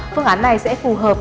phương án này sẽ phù hợp